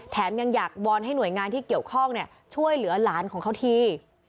ยังอยากวอนให้หน่วยงานที่เกี่ยวข้องช่วยเหลือหลานของเขาที